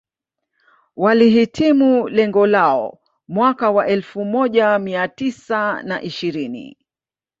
Walihitimu lengo lao mwaka wa elfu moja mia tisa na ishirini